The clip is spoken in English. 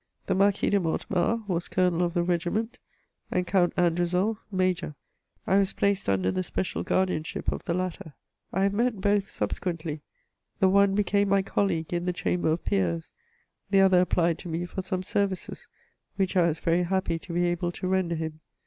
The Marquis de Mortemart was Colonel of the regiment, and Count Andrezel, Major; I was placed under the special guardianship of the latter. I have met both subsequently — the one became my colleague in the Chamber of Peers, the other applied to me for some services, which I was very happy to be able to render him.